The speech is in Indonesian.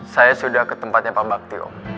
saya sudah ke tempatnya pak bakti om